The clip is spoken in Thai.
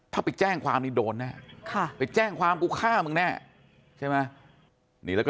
ถ้าไปแจ้งความนี่โดนแน่ไปแจ้งความกูฆ่ามึงแน่ใช่ไหม